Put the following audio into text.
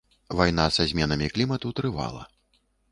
Вайна са зменамі клімату трывала.